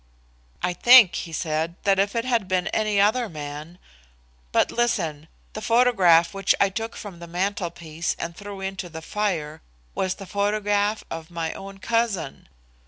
"I think," he said, "that if it had been any other man but listen. The photograph which I took from the mantelpiece and threw into the fire was the photograph of my own cousin.